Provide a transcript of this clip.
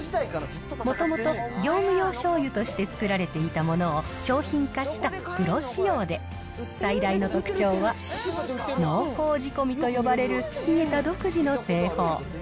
もともと、業務用醤油として作られていたものを商品化したプロ仕様で、最大の特徴は、濃厚仕込みと呼ばれるヒゲタ独自の製法。